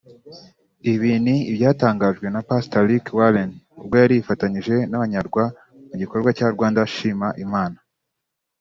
Ibi ni ibyatangajwe na pastor Rick Warren ubwo yari yifatanije n’abanyarwa mu gikorwa cya Rwanda Shima Imana